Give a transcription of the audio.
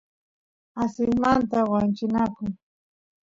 asismanta wanchinaku